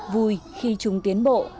vui khi chúng tiến bộ